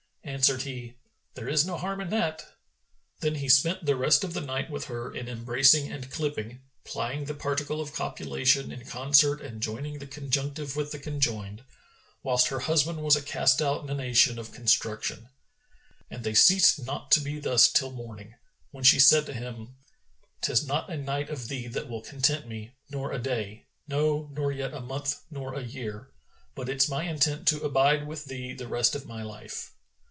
Answered he, "There is no harm in that!" Then he spent the rest of the night with her in embracing and clipping, plying the particle of copulation in concert[FN#418] and joining the conjunctive with the conjoined,[FN#419] whilst her husband was as a cast out nunnation of construction.[FN#420] And they ceased not to be thus till morning, when she said to him, "'Tis not a night of thee that will content me, nor a day; no, nor yet a month nor a year; but it's my intent to abide with thee the rest of my life.